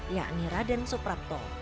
yakni raden suprapto